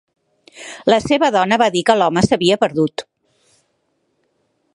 La seva dona va dir que l'home s'havia perdut.